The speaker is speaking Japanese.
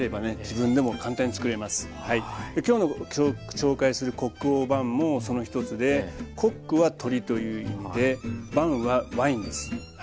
今日の紹介するコック・オ・ヴァンもその一つでコックは鶏という意味でヴァンはワインです。